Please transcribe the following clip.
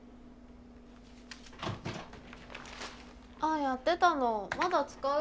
あやってたのまだ使う？